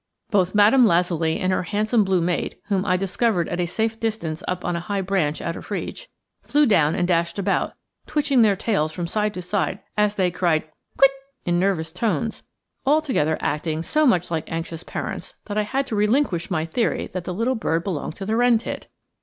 Both Madame Lazuli and her handsome blue mate whom I discovered at a safe distance up on a high branch out of reach flew down and dashed about, twitching their tails from side to side as they cried "quit," in nervous tones; altogether acting so much like anxious parents that I had to relinquish my theory that the little bird belonged to the wren tit.